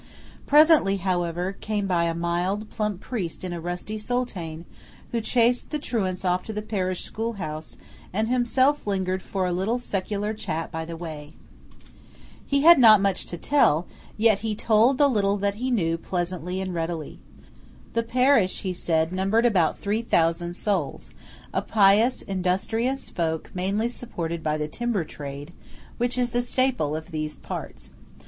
Presently, however, came by a mild, plump priest in a rusty soutane, who chased the truants off to the parish school house, and himself lingered for a little secular chat by the way. PIC GALLINA. He had not much to tell; yet he told the little that he knew pleasantly and readily. The parish, he said, numbered about three thousand souls–a pious, industrious folk mainly supported by the timber trade, which is the staple of these parts.